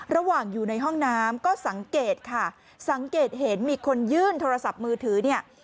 ระหว่างอยู่ในห้องน้ำก็สังเกตค่ะสังเกตเห็นมีคนยื่นโทรศัพท์มือถือเนี่ย